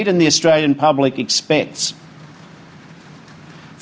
dan asuransi publik asuransi mengharapkan